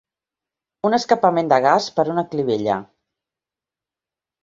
Un escapament de gas per una clivella.